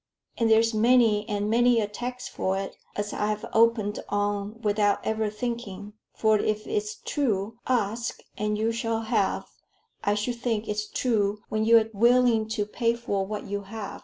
And there's many and many a text for it, as I've opened on without ever thinking; for if it's true, 'Ask, and you shall have,' I should think it's truer when you're willing to pay for what you have."